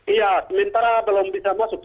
iya sementara belum bisa masuk